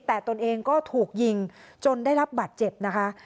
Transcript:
แต่ตนเองก็ถูกยิงจนได้รับบัตรเจ็บนะคะ